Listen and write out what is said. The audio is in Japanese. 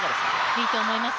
いいと思います。